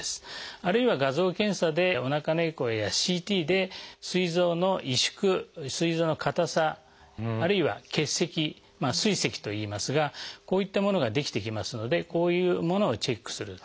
あるいは画像検査でおなかのエコーやＣＴですい臓の萎縮すい臓の硬さあるいは結石「すい石」といいますがこういったものが出来てきますのでこういうものをチェックする。